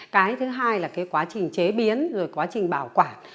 cái thứ hai là cái quá trình chế biến rồi quá trình bảo quản